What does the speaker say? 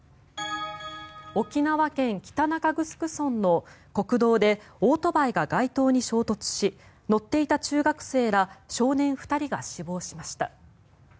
沖縄県北中城村の国道でオートバイが街灯に衝突し乗っていた中学生ら少年２人が死亡しました。